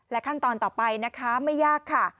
ขั้นตอนต่อไปนะคะไม่ยากค่ะ